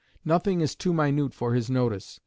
Nothing is too minute for his notice.